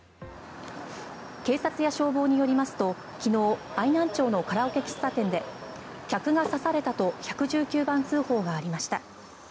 警察や消防によりますと昨日、愛南町のカラオケ喫茶店で客が刺されたと１１９番通報がありました。